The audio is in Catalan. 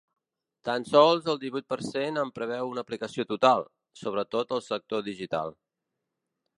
Tan sols el divuit per cent en preveu una aplicació total –sobretot al sector digital.